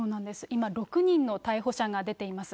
今、６人の逮捕者が出ています。